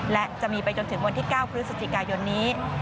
และจะมีไปจนถึงวันที่๙พฤศจิกายนนี้